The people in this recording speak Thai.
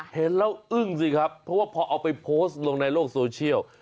เห็นแล้วอึ้งสิครับเพราะว่าพอเอาไปโพสต์ลงในโลกโซเชียล